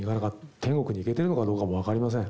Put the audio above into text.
天国に行けてるのかも分かりません。